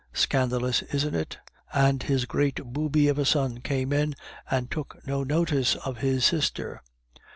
Scandalous, isn't it? And his great booby of a son came in and took no notice of his sister."